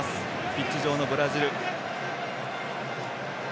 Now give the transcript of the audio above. ピッチ上のブラジル。